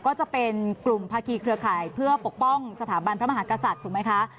ก็จะเป็นกลุ่มภาคีเครือข่ายเพื่อปกป้องสถาบันพระมหากษัตริย์ถูกไหมคะ